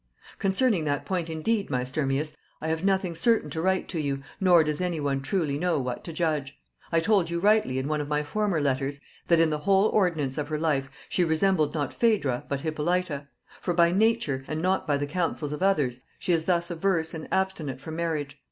"Concerning that point indeed, my Sturmius, I have nothing certain to write to you, nor does any one truly know what to judge. I told you rightly, in one of my former letters, that in the whole ordinance of her life she resembled not Phædra but Hippolyta; for by nature, and not by the counsels of others, she is thus averse and abstinent from marriage.